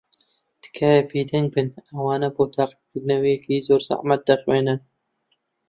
تکایە بێدەنگ بن. ئەوان بۆ تاقیکردنەوەیەکی زۆر زەحمەت دەخوێنن.